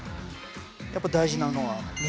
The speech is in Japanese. やっぱ大事なのは水。